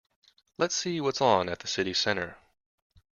Let's see what's on at the city centre